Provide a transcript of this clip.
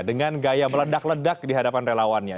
dengan gaya meledak ledak di hadapan relawannya